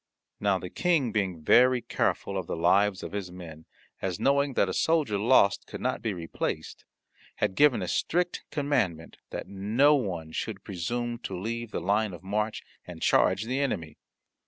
Now the King being very careful of the lives of his men, as knowing that a soldier lost could not be replaced, had given a strict commandment that no one should presume to leave the line of march and charge the enemy.